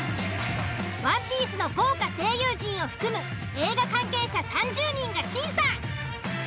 「ＯＮＥＰＩＥＣＥ」の豪華声優陣を含む映画関係者３０人が審査！